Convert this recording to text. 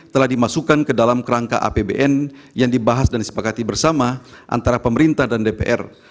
telah dimasukkan ke dalam kerangka apbn yang dibahas dan disepakati bersama antara pemerintah dan dpr